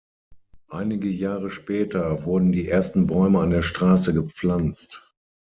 Einige Jahre später wurden die ersten Bäume an der Straße gepflanzt.